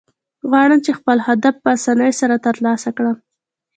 غواړم، چي خپل هدف په آساني سره ترلاسه کړم.